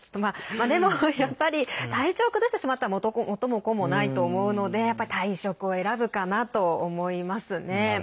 でも、やっぱり体調を崩してしまったら元も子もないと思うので退職を選ぶかなと思いますね。